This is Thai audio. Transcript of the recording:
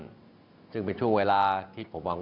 สวัสดีพี่น้องประชาชนคนไทยที่รักทุกท่านครับ